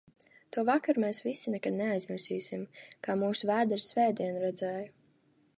"To vakaru mēs visi nekad neaizmirsīsim, "kā mūsu vēderi svētdienu redzēja"."